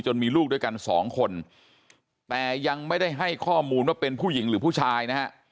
มีลูกด้วยกันสองคนแต่ยังไม่ได้ให้ข้อมูลว่าเป็นผู้หญิงหรือผู้ชายนะฮะ